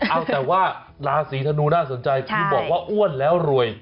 เอาแต่ว่าราศีธนูน่าสนใจคือบอกว่าอ้วนแล้วรวย